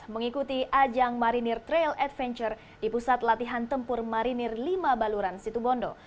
mengikuti ajang marinir trail adventure di pusat latihan tempur marinir lima baluran situbondo